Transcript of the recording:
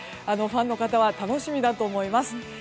ファンの方は楽しみだと思います。